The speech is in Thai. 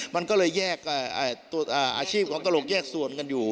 มันก็เลยแยกอาชีพของตลกแยกส่วนกันอยู่